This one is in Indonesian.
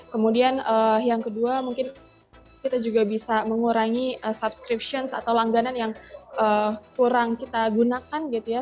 kemudian yang kedua mungkin kita juga bisa mengurangi subscription atau langganan yang kurang kita gunakan gitu ya